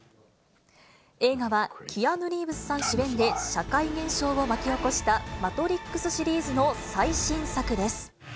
映画は、キアヌ・リーブスさん主演で社会現象を巻き起こしたマトリックスシリーズの最新作です。